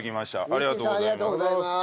ありがとうございます。